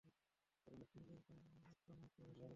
আমি জানতাম, এমন একটা মুহূর্ত অবশ্যই আসবে।